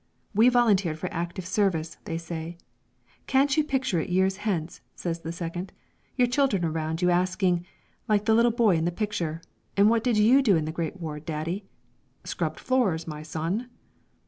"We volunteered for active service," says one. "Can't you picture it years hence," says the second. "Your children around you asking, like the little boy in the picture, 'And what did you do in the great war, Daddy?' 'Scrubbed floors, my son!'"